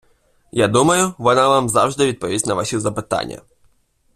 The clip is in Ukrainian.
Я думаю, вона вам завжди відповість на ваші запитання!